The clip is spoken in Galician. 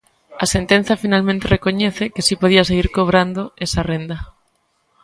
A sentenza finalmente recoñece que si podía seguir cobrando esa renda.